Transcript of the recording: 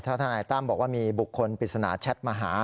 ถ้าทนายตั้มบอกว่ามีบุคคลปริศนาแชทมาหา